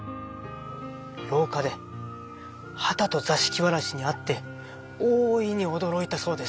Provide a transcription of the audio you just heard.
廊下ではたと座敷わらしに会って大いに驚いたそうです。